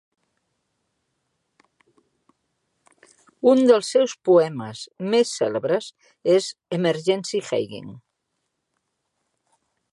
Un dels seus poemes més cèlebres és "Emergency Haying".